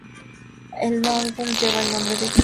El álbum lleva el nombre de "Just Be: Remixed".